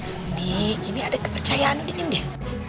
unik ini ada kepercayaan ini nih